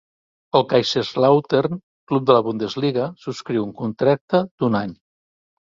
El Kaiserslautern, club de la Bundesliga, subscriu un contracte d'un any.